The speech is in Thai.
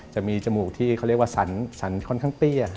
จะมีจมูกที่เขาเรียกว่าสันค่อนข้างเตี้ย